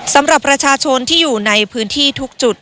สำหรับประชาชนที่อยู่ในพื้นที่ทุกจุด